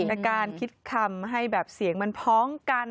อาการคิดคำให้แบบเสียงมันพ้องกัน